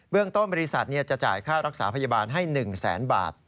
ต้นบริษัทจะจ่ายค่ารักษาพยาบาลให้๑แสนบาท